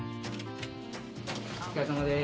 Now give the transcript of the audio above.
お疲れさまでーす。